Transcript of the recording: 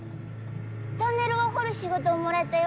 トンネルを掘る仕事をもらえたよ。